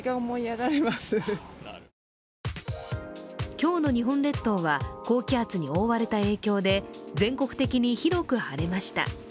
今日の日本列島は、高気圧に覆われた影響で全国的に広く晴れました。